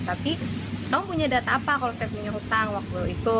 tapi kamu punya data apa kalau saya punya hutang waktu itu